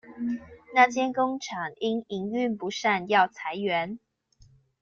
那間工廠因營運不善要裁員